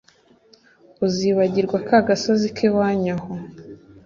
uzibagirwa ka gasozi k'iwanyu aho